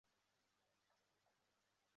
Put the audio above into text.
刘知俊得补徐州马步军都指挥使。